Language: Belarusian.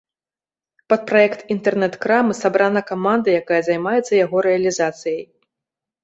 Пад праект інтэрнэт-крамы сабрана каманда, якая займаецца яго рэалізацыяй.